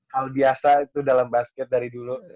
hal biasa itu dalam basket dari dulu